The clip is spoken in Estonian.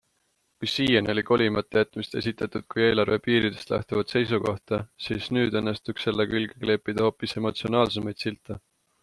Kui siiani oli kolimata jätmist esitatud kui eelarve piiridest lähtuvat seisukohta, siis nüüd õnnestuks sellele külge kleepida hoopis emotsionaalsemaid silte.